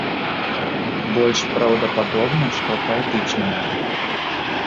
Больш праўдападобна, што паэтычнае.